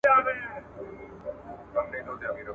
د کتاب کيسې بايد د خلګو له ژوند سره سمې وي.